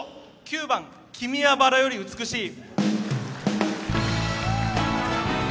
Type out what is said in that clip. ９番「君は薔薇より美しい」。